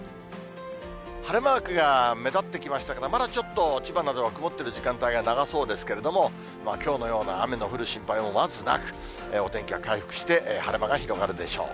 晴れマークが目立ってきましたが、まだちょっと、千葉などは曇っている時間帯が長そうですけれども、きょうのような雨の降る心配もまずなく、お天気は回復して、晴れ間が広がるでしょう。